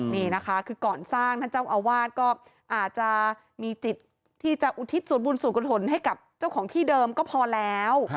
นี่นะคะคือก่อนสร้างท่านเจ้าอาวาสก็อาจจะมีจิตที่จะอุทิศส่วนบุญส่วนกุศลให้กับเจ้าของที่เดิมก็พอแล้ว